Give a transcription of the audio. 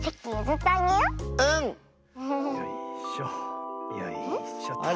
よいしょよいしょとあれ？